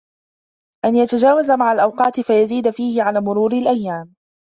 أَنْ يَتَجَاوَزَ مَعَ الْأَوْقَاتِ فَيَزِيدَ فِيهِ عَلَى مُرُورِ الْأَيَّامِ